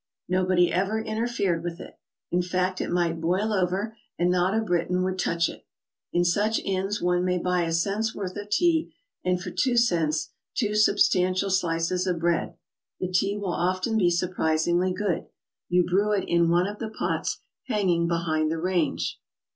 Nobody ever interfered with it. In fact, it might boil over and not a Briton would touch it. In such inns one may buy a cent's worth of tea, and for two cents two substantial slices of bread. The tea will often be surprisingly good. You brew it in one of the pots hanging behind the range.